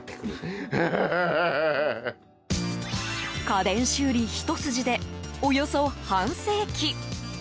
家電修理ひと筋でおよそ半世紀。